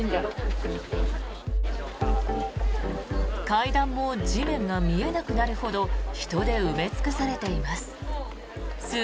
階段も地面が見えなくなるほど人で埋め尽くされています。